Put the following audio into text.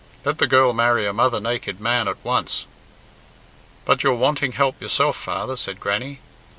Let the girl marry a mother naked man at once." "But you're wanting help yourself, father," said Grannie.